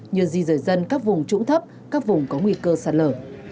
như di rời dân các vùng trũng thấp các vùng có nguy cơ sạt lở